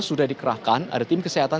sudah dikerahkan ada tim kesehatan